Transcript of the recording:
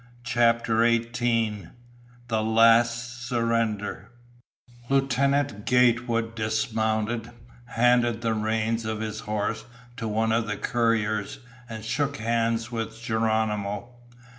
CHAPTER EIGHTEEN The Last Surrender Lieutenant Gatewood dismounted, handed the reins of his horse to one of the couriers, and shook hands with Geronimo.